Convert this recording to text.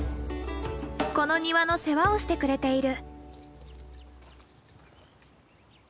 この庭の世話をしてくれている。